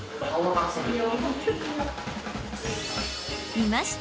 ［いました！